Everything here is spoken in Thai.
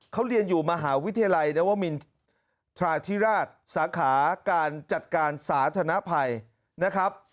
เขาเรียนอยู่มหาวิทยาลัยนวมินทราธิราชสาขาการจัดการสาธนภัยนะครับ